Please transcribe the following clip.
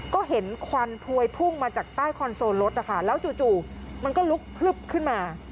ก็เห็นควันพวยพุ่งมาจากใต้คอนโซลรถนะคะแล้วจู่มันก็ลุกพลึบขึ้นมา